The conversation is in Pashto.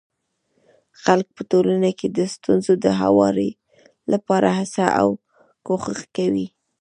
خلک په ټولنه کي د ستونزو د هواري لپاره هڅه او کوښښ کوي.